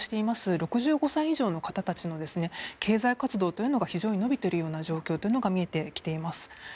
６５歳以上の方たちの経済活動が非常に伸びている状況が見えています。